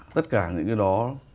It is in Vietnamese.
tất cả những cái đó